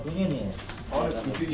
iya ini peraterian di sini